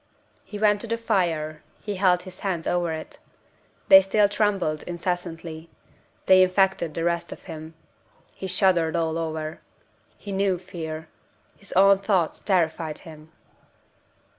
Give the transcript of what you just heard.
He went to the fire; he held his hands over it. They still trembled incessantly; they infected the rest of him. He shuddered all over. He knew fear. His own thoughts terrified him.